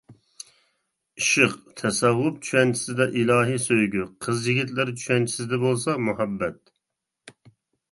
ئىشق: تەسەۋۋۇپ چۈشەنچىسىدە ئىلاھىي سۆيگۈ، قىز-يىگىتلەر چۈشەنچىسىدە بولسا مۇھەببەت.